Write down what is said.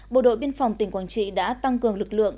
bộ đội biên phòng tỉnh quảng trị đã tăng cường lực lượng